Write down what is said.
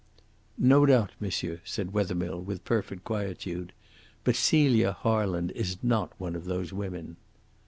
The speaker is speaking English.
"No doubt, monsieur," said Wethermill, with perfect quietude. "But Celia Harland is not one of those women."